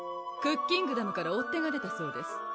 クッキングダムから追っ手が出たそうです